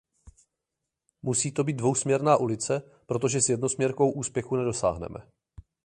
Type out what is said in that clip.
Musí to být dvousměrná ulice, protože s jednosměrkou úspěchu nedosáhneme.